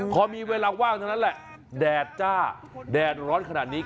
พอมีเวลาว่างเท่านั้นแหละแดดจ้าแดดร้อนขนาดนี้